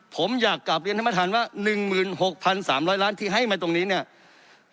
ผมอยากกลับเรียนท่านมาทานว่าหนึ่งหมื่นหกพันสามร้อยล้านที่ให้มาตรงนี้เนี่ย